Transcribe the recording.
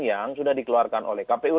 yang sudah dikeluarkan oleh kpu